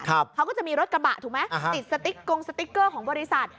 เขาก็จะมีรถกระบะถูกไหมติดสติ๊กกงสติ๊กเกอร์ของบริษัท